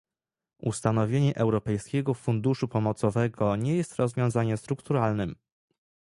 Ustanowienie europejskiego funduszu pomocowego nie jest rozwiązaniem strukturalnym